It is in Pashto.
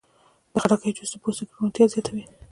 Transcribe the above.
د خټکي جوس د پوستکي روڼتیا زیاتوي.